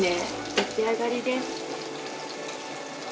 出来上がりです。